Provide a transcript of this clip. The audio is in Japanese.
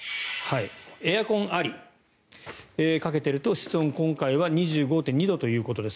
エアコンあり、かけていると室温、今回は２５．２度ということです。